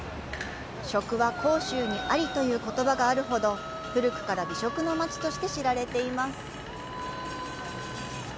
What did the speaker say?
「食は広州にあり」という言葉があるほど、古くから美食の街として知られています。